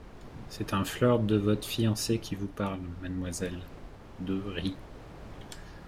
C’est un flirt de votre fiancé qui vous parle, mademoiselle. deux rit.